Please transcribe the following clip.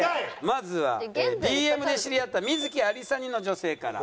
まずはＤＭで知り合った観月ありさ似の女性から。